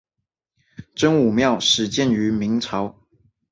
真武庙始建于明朝。